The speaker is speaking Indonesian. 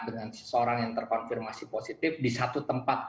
dengan seseorang yang terkonfirmasi positif di satu tempat